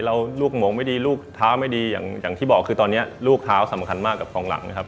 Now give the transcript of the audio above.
แล้วลูกหมงไม่ดีลูกเท้าไม่ดีอย่างที่บอกคือตอนนี้ลูกเท้าสำคัญมากกับกองหลังนะครับ